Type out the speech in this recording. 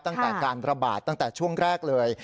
ตั้งแต่การระบาดตั้งแต่ช่วงแรกเลย